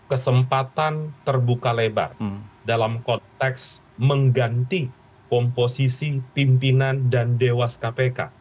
kesempatan terbuka lebar dalam konteks mengganti komposisi pimpinan dan dewas kpk